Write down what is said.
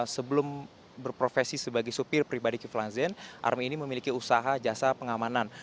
sebelum berprofesi sebagai supir pribadi kiflan zen army ini memiliki usaha jasa pengamanan